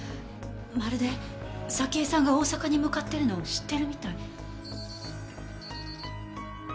まるで沙希江さんが大阪に向かってるのを知ってるみたい。